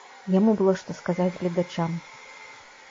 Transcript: Яму было што сказаць гледачам.